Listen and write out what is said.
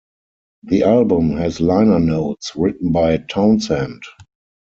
The album has liner notes written by Townshend.